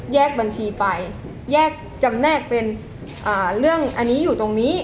บัญชีไปแยกจำแนกเป็นเรื่องอันนี้อยู่ตรงนี้